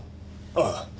ああ。